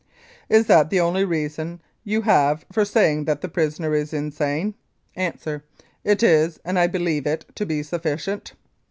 Is that the only reason you have for saying that the prisoner is insane? A. It is, and I believe it to be sufficient.